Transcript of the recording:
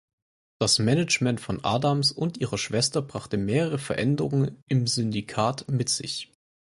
Das Management von Adams und ihrer Schwester brachte mehrere Veränderungen im Syndikat mit sich.